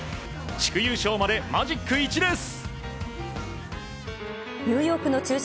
地区優勝までマジック１です。